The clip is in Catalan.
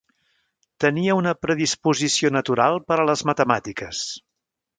Tenia una predisposició natural per a les matemàtiques.